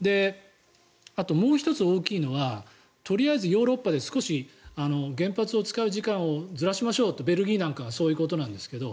あともう１つ大きいのはとりあえずヨーロッパで少し原発を使う時間をずらしましょうとベルギーなんかはそういうことなんですけど